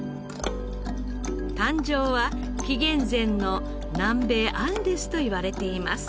誕生は紀元前の南米アンデスといわれています。